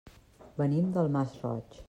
Venim del Masroig.